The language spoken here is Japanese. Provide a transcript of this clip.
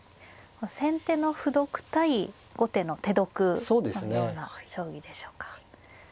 先手の歩得対後手の手得のような将棋でしょうか。